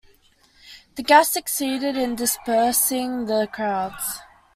The gas succeeded in dispersing the crowds.